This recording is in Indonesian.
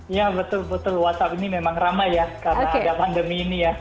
ya betul betul whatsapp ini memang ramai ya karena ada pandemi ini ya